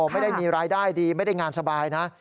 ไม่ได้มีรายได้ดีไม่ได้งานสบายนะ